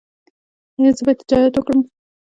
ایا زه باید تجارت وکړم؟